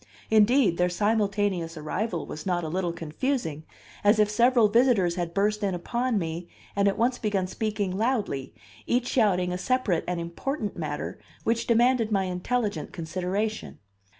Indeed, their simultaneous arrival was not a little confusing, as if several visitors had burst in upon me and at once begun speaking loudly, each shouting a separate and important matter which demanded my intelligent consideration.